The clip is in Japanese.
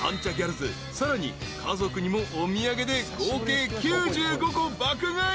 さらに家族にもお土産で合計９５個爆買い］